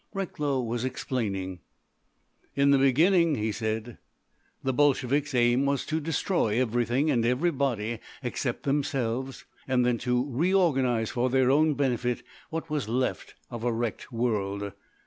Recklow was explaining. "In the beginning," he said, "the Bolsheviks' aim was to destroy everything and everybody except themselves, and then to reorganise for their own benefit what was left of a wrecked world.